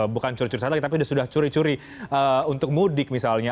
bukan curi curi saat lagi tapi sudah curi curi untuk mudik misalnya